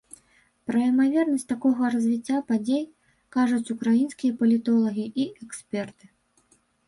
Пра імавернасць такога развіцця падзей кажуць украінскія палітолагі і эксперты.